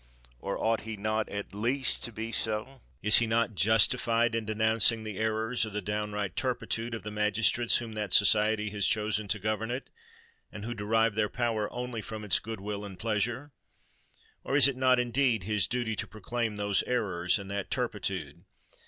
or ought he not at least to be so? Is he not justified in denouncing the errors or the downright turpitude of the magistrates whom that society has chosen to govern it, and who derive their power only from its good will and pleasure? or is it not indeed his duty to proclaim those errors and that turpitude?